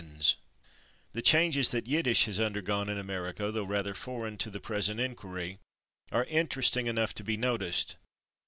" The changes that Yiddish has undergone in America, though rather foreign to the present inquiry, are interesting enough to be noticed.